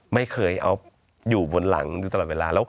ไม่เคยเอาอยู่บนหลังอยู่ตลอดเวลา